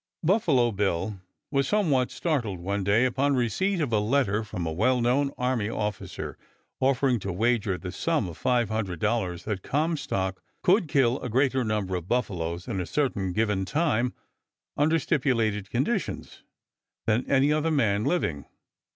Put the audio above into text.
Buffalo Bill was somewhat startled one day upon receipt of a letter from a well known army officer, offering to wager the sum of $500 that Comstock could kill a greater number of buffaloes in a certain given time, under stipulated conditions, than any other man living.